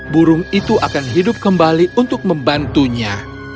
burung itu akan hidup kembali untuk membantunya